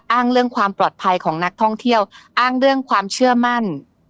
เรื่องความปลอดภัยของนักท่องเที่ยวอ้างเรื่องความเชื่อมั่น